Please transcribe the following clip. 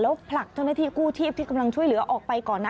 แล้วผลักเจ้าหน้าที่กู้ชีพที่กำลังช่วยเหลือออกไปก่อนนะ